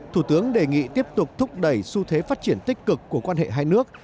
thủ tướng đề nghị tiếp tục thúc đẩy xu thế phát triển tích cực của quan hệ hai nước